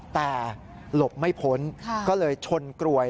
แต่หลบไม่พ้นก็เลยชนกรวย